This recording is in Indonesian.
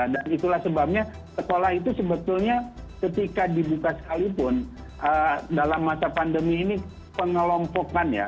dan itulah sebabnya sekolah itu sebetulnya ketika dibuka sekalipun dalam masa pandemi ini pengelompokan ya